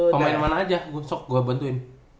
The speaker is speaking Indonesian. pemain mana aja goodshock gue bantuin